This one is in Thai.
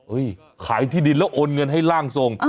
ขายที่ดินแล้วโอนเงินให้ร่างทรง